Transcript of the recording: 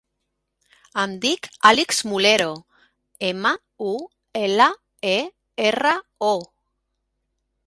Em dic Alix Mulero: ema, u, ela, e, erra, o.